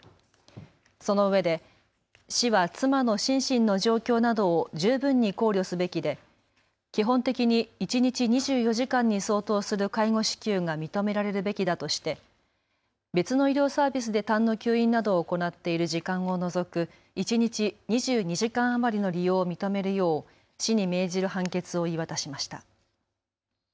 そのうえで市は妻の心身の状況などを十分に考慮すべきで基本的に一日２４時間に相当する介護支給が認められるべきだとして別の医療サービスでたんの吸引などを行っている時間を除く一日２２時間余りの利用を認めるよう市に命じる判決を言い渡しました。